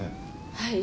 はい。